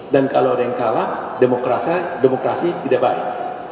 dan kalau ada yang kalah demokrasi tidak baik